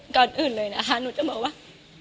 ก็ยังก่อนอื่นเลยนะคะนุ๊ทจะบอกว่า